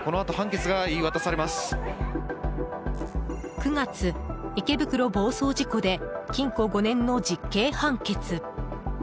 ９月、池袋暴走事故で禁錮５年の実刑判決。